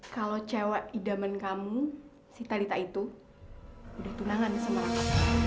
kalau cewek idaman kamu si talita itu udah tunangan sama aku